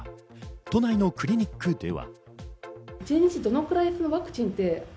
都内のクリニックでは。